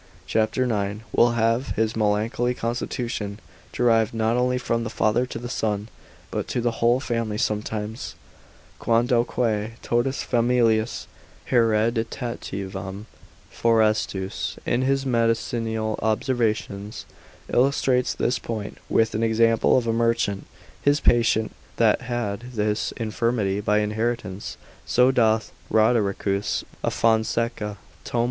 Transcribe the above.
cap. 9, will have his melancholy constitution derived not only from the father to the son, but to the whole family sometimes; Quandoque totis familiis hereditativam, Forestus, in his medicinal observations, illustrates this point, with an example of a merchant, his patient, that had this infirmity by inheritance; so doth Rodericus a Fonseca, tom.